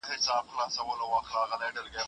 ایا څوک مرسته کوي؟